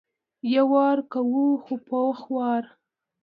یو وار کوو خو پوخ وار.